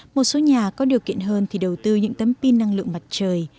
một số nhà có điều kiện hơn thì đầu tư những tấm pin năng lượng mặt trời